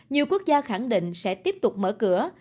nhiều quốc gia khẳng định sẽ tiếp tục mở cửa